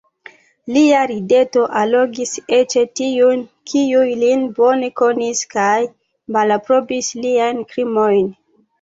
Lia rideto allogis eĉ tiujn, kiuj lin bone konis kaj malaprobis liajn krimojn.